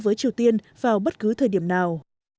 với triều tiên vào bất cứ thời điểm nào